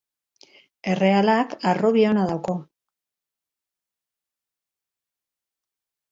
Errealak harrobi ona dauka.